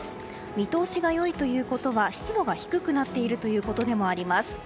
見通しが良いということは湿度が低くなっているということでもあります。